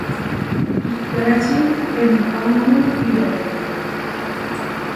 Ihkwérači penipámamu Iʼyotéka.